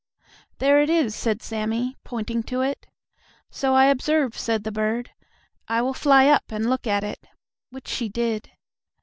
"There it is," said Sammie, pointing to it. "So I observe," said the bird. "I will fly up and look at it," which she did.